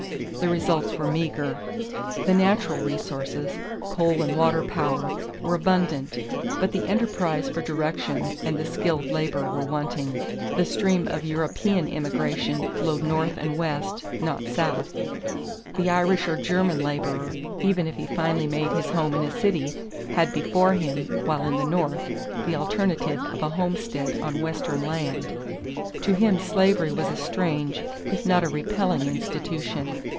The results were meager. The natural resources, coal and water power, were abundant; but the enterprise for direction and the skilled labor were wanting. The stream of European immigration flowed North and West, not South. The Irish or German laborer, even if he finally made his home in a city, had before him, while in the North, the alternative of a homestead on Western land. To him slavery was a strange, if not a repelling, institution.